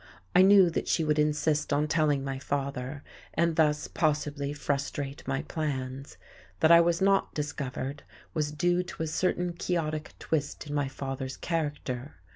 I knew that she would insist on telling my father, and thus possibly frustrate my plans. That I was not discovered was due to a certain quixotic twist in my father's character.